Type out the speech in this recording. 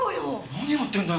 何やってんだよ？